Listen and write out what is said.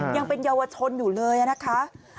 ยังเป็นเยาวชนอยู่เลยนะคะ